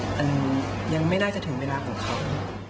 อันหนึ่งยังไม่ได้จะถึงเวลากับเขา